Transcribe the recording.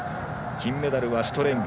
金メダルはシュトレング。